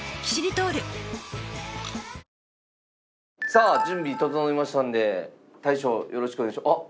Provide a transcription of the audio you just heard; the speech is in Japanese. さあ準備整いましたので大将よろしくお願いします。